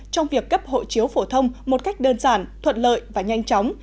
trong việc cấp hộ chiếu phổ thông một cách đơn giản thuận lợi và nhanh chóng